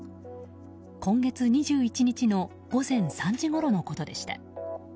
今月２１日の午前３時ごろのことでした。